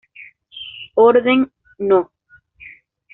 Orden No.